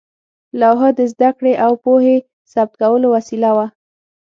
لوحه د زده کړې او پوهې ثبت کولو وسیله وه.